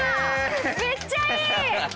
めっちゃいい！